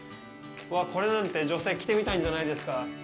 うわ、これなんて、女性、着てみたいんじゃないですか？